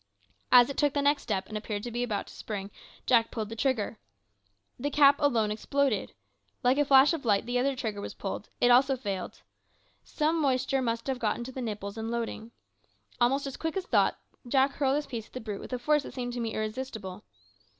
As it took the next step, and appeared about to spring, Jack pulled the trigger. The cap alone exploded! Like a flash of light the other trigger was pulled; it also failed! some moisture must have got into the nipples in loading. Almost as quick as thought Jack hurled his piece at the brute with a force that seemed to me irresistible.